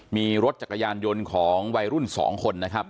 มีรถจักรยานยนต์ของวัยรุ่น๒คนนะครับ